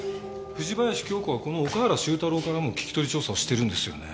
藤林経子はこの岡原周太郎からも聞き取り調査をしてるんですよね。